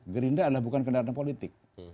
gerindra adalah bukan kendaraan politik